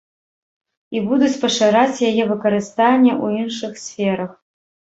І будуць пашыраць яе выкарыстанне ў іншых сферах.